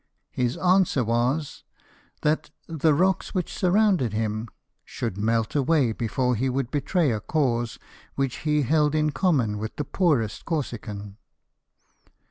His answer was, that " the rocks which surrounded him should melt away before he would betray a cause which he held in common with the poorest Corsican."